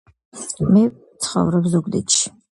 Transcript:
მე ვცხოვრობ ზუგდიდში.